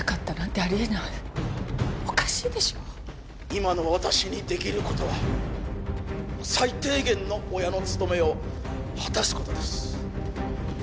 「今の私にできる事は最低限の親の務めを果たす事です」